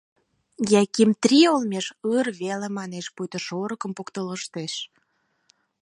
Яким «три» олмеш ыр-р веле манеш, пуйто шорыкым поктылыштеш.